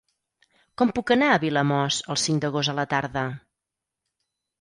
Com puc anar a Vilamòs el cinc d'agost a la tarda?